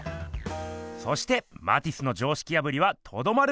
そしてマティスの常識破りはとどまることを知りません。